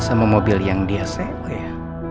sama mobil yang dia sewa ya